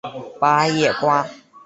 八叶瓜